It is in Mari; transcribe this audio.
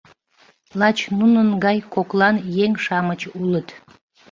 Лач нунын гай коклан еҥ-шамыч улыт